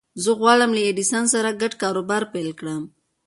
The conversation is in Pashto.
زه غواړم له ايډېسن سره ګډ کاروبار پيل کړم.